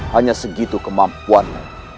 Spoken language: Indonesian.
hanya segitu kemampuan